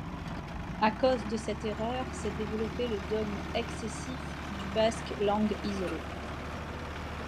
À cause de cette erreur s'est développé le dogme excessif du basque langue isolée.